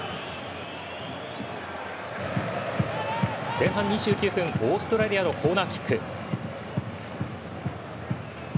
前半２９分オーストラリアのコーナーキック。